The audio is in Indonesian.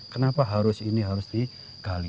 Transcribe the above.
kenapa harus ini harus digali